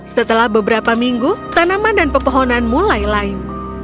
setelah beberapa minggu tanaman dan pepohonan mulai layu